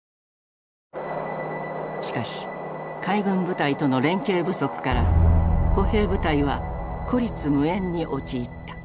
しかし海軍部隊との連携不足から歩兵部隊は孤立無援に陥った。